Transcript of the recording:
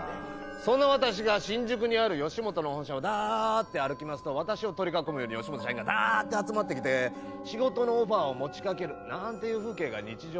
その私が新宿にあるよしもとの周りを歩くと私を取り囲むように吉本社員がダーッと集まってきて、仕事のオファーを持ちかけるなーんて風景が日常